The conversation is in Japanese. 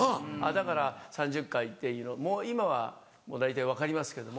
だから３０回っていうのもう今は大体分かりますけど。